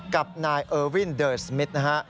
กับนายเออวินเดอร์สมิทนะฮะ